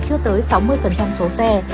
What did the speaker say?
chưa tới sáu mươi số xe